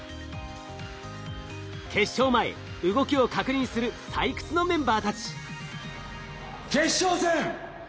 決勝前動きを確認する採掘のメンバーたち。